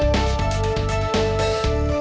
gua mau ke sana